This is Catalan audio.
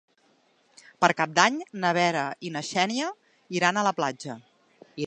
Per Cap d'Any na Vera i na Xènia iran a la platja.